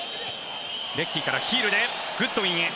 レッキーからヒールでグッドウィンへ。